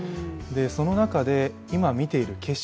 その中で、今、見ている景色